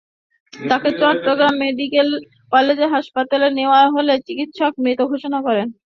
তাঁকে Chittagong medical college হাসপাতালে নেওয়া হলে চিকিৎসক মৃত ঘোষণা করেন।